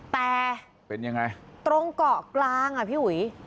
แต่เป็นยังไงตรงเกาะกลางอ่ะพี่อุ๋ย